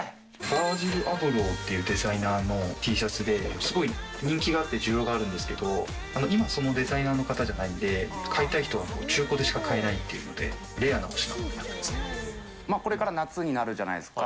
ヴァージル・アブローっていうデザイナーのＴシャツで、すごい人気があって需要があるんですけど、今、そのデザイナーの方じゃないんで、買いたい人は中古でしか買えないというんで、これから夏になるじゃないですか。